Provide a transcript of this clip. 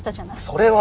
それは。